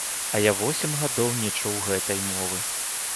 А я восем гадоў не чуў гэтай мовы.